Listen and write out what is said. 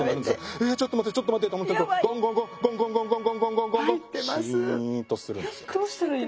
えちょっと待ってちょっと待ってと思ってるとゴンゴンゴンゴンゴンゴンゴンゴンシーンとするんです。